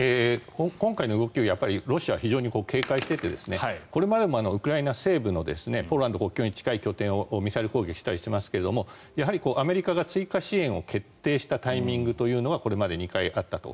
今回の動きをロシアは非常に警戒していてこれまでもウクライナ西部のポーランド国境に近い拠点をミサイル攻撃したりしていますがアメリカが追加支援を決定したタイミングというのはこれまで２回あったと。